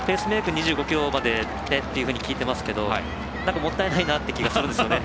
２５ｋｍまでって聞いていますけどもったいないなという気がするんですよね。